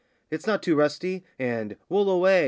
'It's not too rusty' and 'Wool away!